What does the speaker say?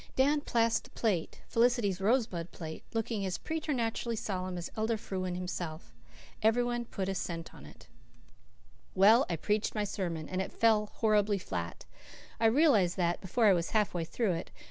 Dan passed the plate Felicity's rosebud plate looking as preternaturally solemn as Elder Frewen himself. Every one put a cent on it. Well, I preached my sermon. And it fell horribly flat. I realized that, before I was half way through it.